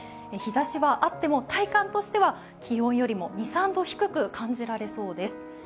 日ざしはあっても体感としては気温よりも２３度低く感じられそうです。